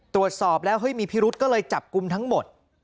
ตรวจสอบแล้วเฮ้ยมีพิรุธก็เลยจับกลุ่มทั้งหมด